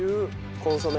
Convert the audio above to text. コンソメ。